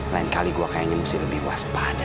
lain kali gue kayaknya mesti lebih waspada